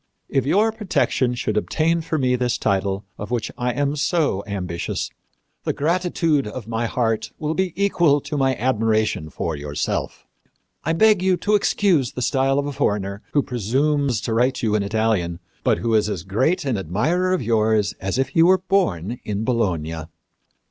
If your protection should obtain for me this title, of which I am so ambitious, the gratitude of my heart will be equal to my admiration for yourself. I beg you to excuse the style of a foreigner who presumes to write you in Italian, but who is as great an admirer of yours as if he were born in Bologna."